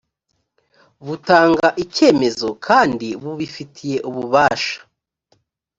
butanga icyemezo kandi bubifitiye ububasha